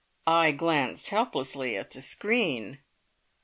I glanced helplessly at the screen.